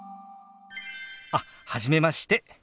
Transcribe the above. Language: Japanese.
あっ初めまして。